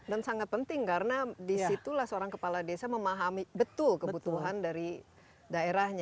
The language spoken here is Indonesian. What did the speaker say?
dan sangat penting karena disitulah seorang kepala desa memahami betul kebutuhan dari daerahnya